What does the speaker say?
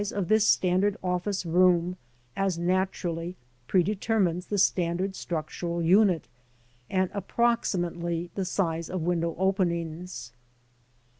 of this standard office room as naturally predetermines the standard structural unit, and, approximately, the size of window openings.